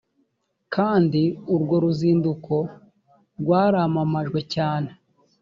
kandi urwo ruzinduko rwaramamajwe cyane